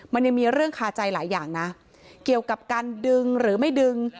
มันยังมีเรื่องคาใจหลายอย่างนะเกี่ยวกับการดึงหรือไม่ดึง